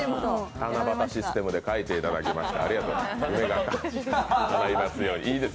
七夕システムで書いていただきました。